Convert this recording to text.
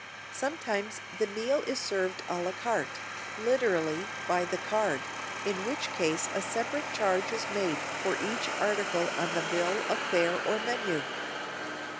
Sometimes the meal is served a la carte (literally, by the card), in which case a separate charge is made for each article on the bill of fare or menu.